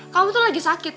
kamu tuh lagi sakit kal